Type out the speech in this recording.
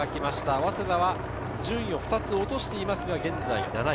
早稲田は順位を２つ落としていますが、現在７位。